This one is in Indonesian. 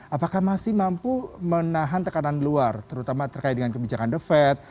apakah masih mampu menahan tekanan luar terutama terkait dengan kebijakan the fed